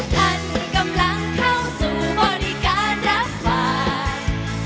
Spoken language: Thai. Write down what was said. ท่านกำลังเข้าสู่บริการรับฝาก